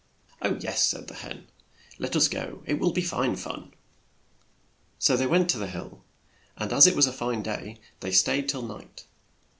Oh, yes, '' said the hen, '* let us go ; it will be fine fun I '' So they went to the hill, and as it was a fine day they stayed till night.